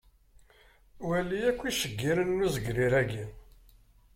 Wali akk iceggiren n uzegrir-agi.